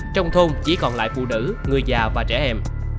trong thôn chỉ còn lại phụ nữ người già và trẻ em